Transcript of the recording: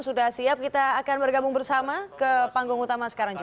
sudah siap kita akan bergabung bersama ke panggung utama sekarang